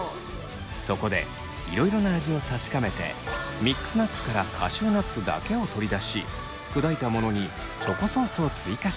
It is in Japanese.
そこでいろいろな味を確かめてミックスナッツからカシューナッツだけを取り出し砕いたものにチョコソースを追加して決定。